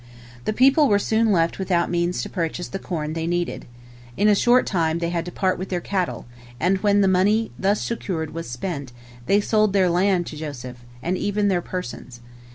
The people were soon left without means to purchase the corn they needed. In a short time they had to part with their cattle, and when the money thus secured was spent, they sold their land to Joseph, and even their persons.